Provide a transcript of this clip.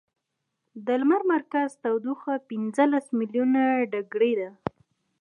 د لمر مرکز تودوخه پنځلس ملیونه ډګري ده.